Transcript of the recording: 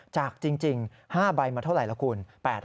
จากจริง๕ใบมาเท่าไรละคุณ